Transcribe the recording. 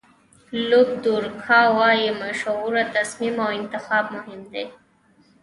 لوپ دورکا وایي مشوره، تصمیم او انتخاب مهم دي.